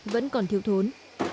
vẫn còn thiếu thốn